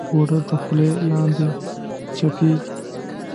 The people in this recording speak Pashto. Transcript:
اوړه د خولې لاندې چپېږي